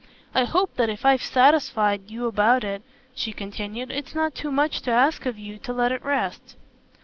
I hope that if I've satisfied you about it," she continued, "it's not too much to ask of you to let it rest."